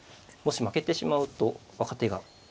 もし負けてしまうと若手が。